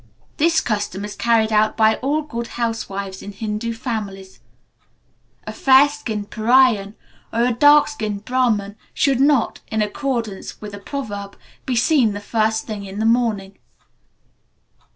This custom is carried out by all good housewives in Hindu families. A fair skinned Paraiyan, or a dark skinned Brahman, should not, in accordance with a proverb, be seen the first thing in the morning.